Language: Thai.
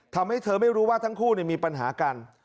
ทำให้เธอไม่รู้ว่าทั้งคู่มีปัญหากัน